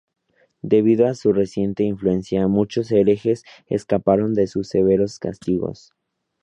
Debido a su creciente influencia, muchos herejes escaparon de sus severos castigos.